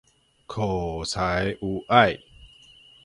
口才無礙